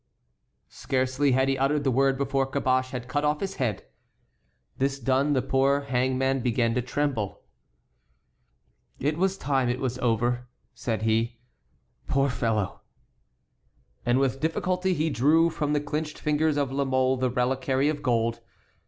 Scarcely had he uttered the word before Caboche had cut off his head. This done, the poor hangman began to tremble. "It was time it was over," said he. "Poor fellow!" And with difficulty he drew from the clinched fingers of La Mole the reliquary of gold.